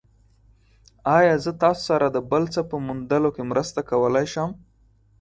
ایا زه تاسو سره د بل څه په موندلو کې مرسته کولی شم؟